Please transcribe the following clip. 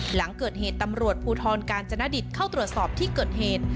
หลังเกิดเหตุตำรวจภูทรกาญจนดิตเข้าตรวจสอบที่เกิดเหตุ